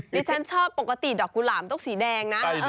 ฉันชอบปกติดอกกุหลามต้องสีแดงนะ